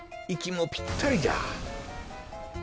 いきもぴったりじゃ。